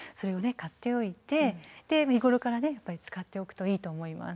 買っておいてで日頃からね使っておくといいと思います。